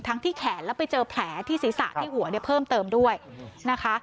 ที่แขนแล้วไปเจอแผลที่ศีรษะที่หัวเนี่ยเพิ่มเติมด้วยนะคะ